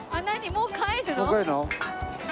もう帰るの？